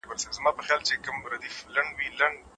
له خاوند سره سفر کول د چا مسئوليت دی؟